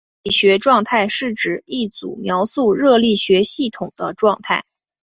热力学状态是指一组描述热力学系统的状态。